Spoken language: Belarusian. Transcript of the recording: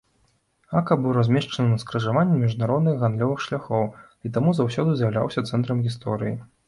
Ака быў размешчаны на скрыжаванні міжнародных гандлёвых шляхоў і таму заўсёды з'яўляўся цэнтрам гісторыі.